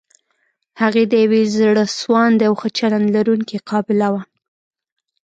هغې د يوې زړه سواندې او ښه چلند لرونکې قابله وه.